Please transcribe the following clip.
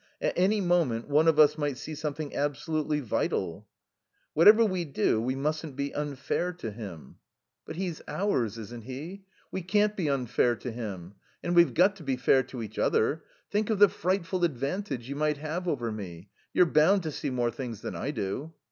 At any moment one of us might see something absolutely vital." "Whatever we do we musn't be unfair to him." "But he's ours, isn't he? We can't be unfair to him. And we've got to be fair to each other. Think of the frightful advantage you might have over me. You're bound to see more things than I do."